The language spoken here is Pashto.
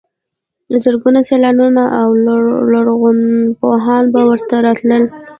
زرګونه سیلانیان او لرغونپوهان به ورته راتلل.